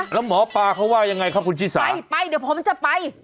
แล้วหมอปลาเขาว่ายังไงครับคุณชิสาไปไปเดี๋ยวผมจะไป